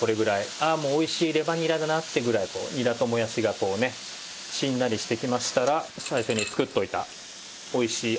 「ああもうおいしいレバにらだな」ってぐらいにらともやしがこうねしんなりしてきましたら最初に作っておいたおいしい合わせダレですね。